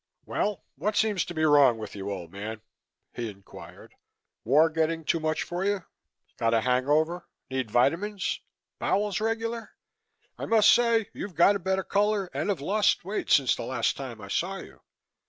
"Well, what seems to be wrong with you, old man?" he inquired. "War getting too much for you? Got a hang over? Need vitamins? Bowels regular? I must say you're got a better color and have lost weight since the last time I saw you."